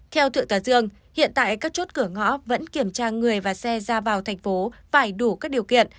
theo thượng tòa dương hiện tại các chốt cửa ngõ vẫn kiểm tra người và xe ra vào thành phố phải đủ các điều kiện